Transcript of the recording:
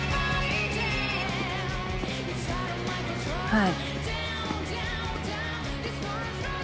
はい。